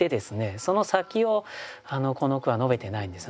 その先をこの句は述べてないんですよね。